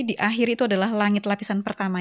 di akhir itu adalah langit lapisan pertama